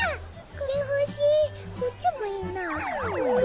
これ欲しいこっちもいいな。